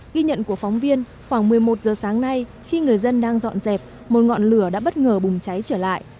ghi nhận của phóng viên khoảng một mươi một giờ sáng nay khi người dân đang dọn dẹp một ngọn lửa đã bất ngờ bùng cháy trở lại